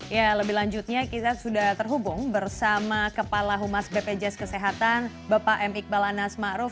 ya lebih lanjutnya kita sudah terhubung bersama kepala humas bpjs kesehatan bapak m iqbal anas ⁇ maruf ⁇